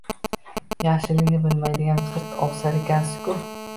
Yaxshilikni bilmaydigan g‘irt ovsar ekansiz-ku!